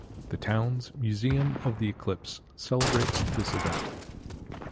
The town's "Museum of the Eclipse" celebrates this event.